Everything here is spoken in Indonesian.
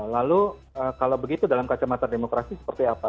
lalu kalau begitu dalam kacamata demokrasi seperti apa